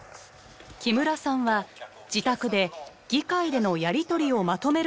木村さんは自宅で議会でのやりとりをまとめる作業に追われていました。